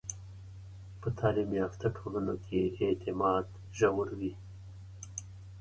په تعلیم یافته ټولنو کې اعتماد ژور وي.